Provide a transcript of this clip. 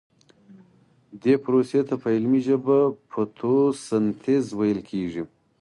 دې پروسې ته په علمي ژبه فتوسنتیز ویل کیږي